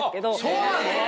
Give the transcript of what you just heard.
そうなの？